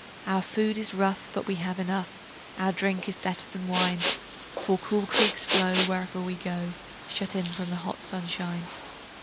Our food is rough, but we have enough; Our drink is better than wine:For cool creeks flow wherever we go, Shut in from the hot sunshine.